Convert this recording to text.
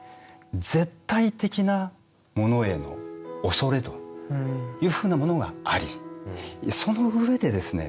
絶対的なものへの畏れというふうなものがありその上でですね